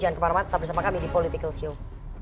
jangan kemana mana tetap bersama kami di politikalshow